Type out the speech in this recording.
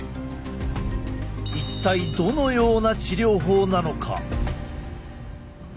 一体どのような治療法なのか。